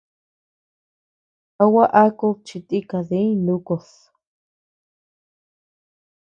¿A gua akud chi tika diñ nukud?